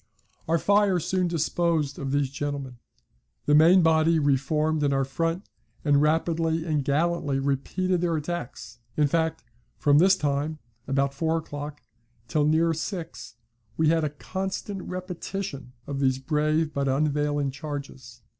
Our fire soon disposed of these gentlemen. The main body re formed in our front, and rapidly and gallantly repeated their attacks, In fact, from this time (about four o'clock) till near six, we had a constant repetition of these brave but unavailing charges.